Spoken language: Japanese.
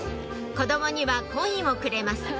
子供にはコインをくれます